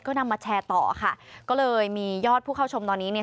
ก็นำมาแชร์ต่อค่ะก็เลยมียอดผู้เข้าชมตอนนี้เนี่ย